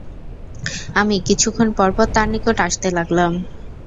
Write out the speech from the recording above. আমি কিছুক্ষণ পর পর তার নিকট আসতে লাগলাম।